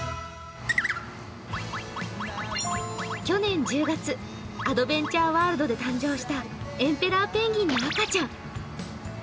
去年１０月、アドベンチャーワールドで誕生したエンペラーペンギンの赤ちゃん。